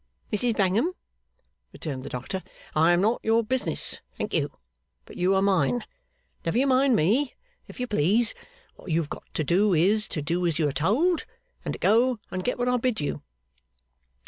'Mrs Bangham,' returned the doctor, 'I am not your business, thank you, but you are mine. Never you mind me, if you please. What you have got to do, is, to do as you are told, and to go and get what I bid you.